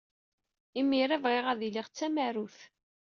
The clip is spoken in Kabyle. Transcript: Imir-a, bɣiɣ ad iliɣ d tamarut.